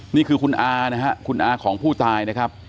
นี่คือคุณอานะฮะคุณอาของผู้ตายนะครับ